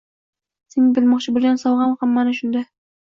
— Senga bermoqchi bo‘lgan sovg‘am ham mana shuda...